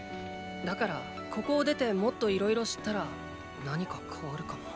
だからここを出てもっといろいろ知ったら何か変わるかも。